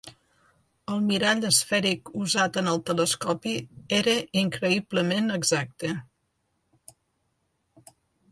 El mirall esfèric usat en el telescopi era increïblement exacte.